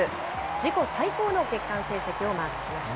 自己最高の月間成績をマークしました。